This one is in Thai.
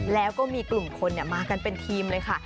แล้วก็มีกลุ่มคนมากันเป็นทีมเลยค่ะ